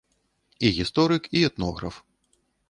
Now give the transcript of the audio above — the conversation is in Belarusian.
І гісторык, і этнограф.